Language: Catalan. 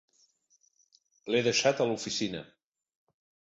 L'he deixat a l'oficina.